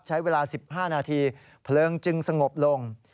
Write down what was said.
ใช้เวลา๑๕นาทีเพลิงจึงสงบลง